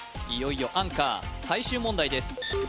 いよいよアンカー最終問題です